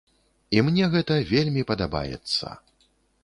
І мне гэта вельмі падабаецца.